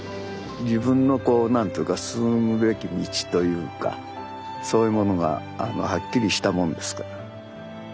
自分のこう何ていうか進むべき道というかそういうものがはっきりしたもんですから。